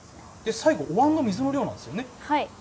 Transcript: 最後、おわんの水の量なんですよね。